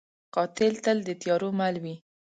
قاتل تل د تیارو مل وي